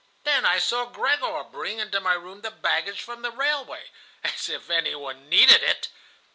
Then I saw Gregor bring into my room the baggage from the railway; as if any one needed it!